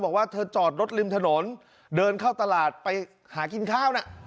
บอกว่าเธอจอดรถริมถนนเดินเข้าตลาดไปหากินข้าวนะ